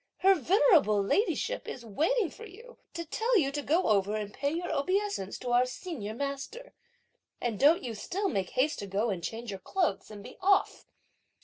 her venerable ladyship is waiting for you to tell you to go over and pay your obeisance to our Senior master, and don't you still make haste to go and change your clothes and be off!"